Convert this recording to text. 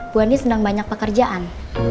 bu andin sedang banyak pekerjaan